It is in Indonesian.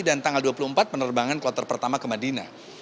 dan tanggal dua puluh empat penerbangan kuota pertama ke madinah